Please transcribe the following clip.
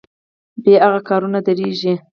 بې هغه کارونه دریږي.